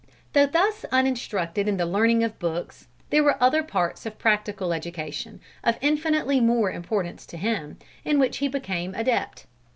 Though thus uninstructed in the learning of books, there were other parts of practical education, of infinitely more importance to him, in which he became an adept.